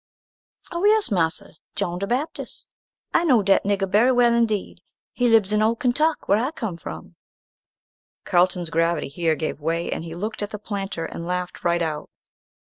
"Oh yes, marser, John de Baptist; I know dat nigger bery well indeed; he libs in Old Kentuck, where I come from." Carlton's gravity here gave way, and he looked at the planter and laughed right out.